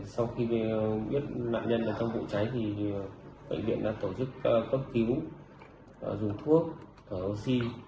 sau khi biết nạn nhân trong vụ cháy thì bệnh viện đã tổ chức cấp cứu dùng thuốc thở oxy